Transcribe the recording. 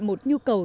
một nhu cầu